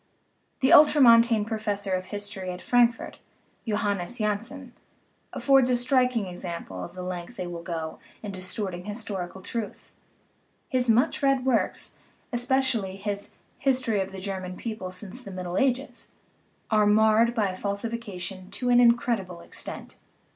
The ultra montane professor of history at Frankfurt, Johannes Janssen, affords a striking example of the length they will go in distorting historical truth; his much read works (especially his History of the German People since the Middle Ages) are marred by falsification to an incredible extent.